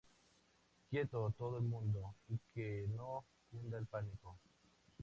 ¡Quieto todo el mundo y qué no cunda el pánico!